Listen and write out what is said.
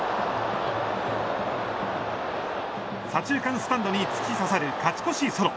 左中間スタンドに突き刺さる勝ち越しソロ。